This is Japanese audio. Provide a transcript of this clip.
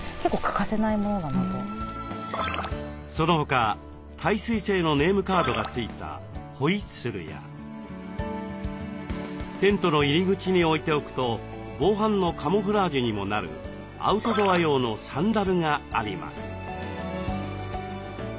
その他耐水性のネームカードが付いたホイッスルやテントの入り口に置いておくと防犯のカモフラージュにもなるアウトドア用のサンダルがあります。